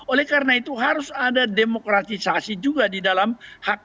oleh karena itu harus ada demokratisasi juga di dalam hak